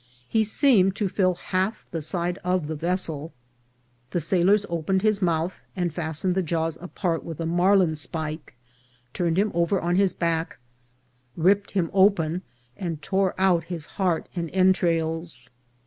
He seemed to fill half the side of the vessel. The sailors opened his mouth, and fas tened the jaws apart with a marlinspike, turned him over on his back, ripped him open, and tore out his heart and entrails.